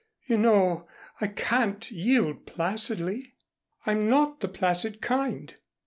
You know I can't yield placidly. I'm not the placid kind.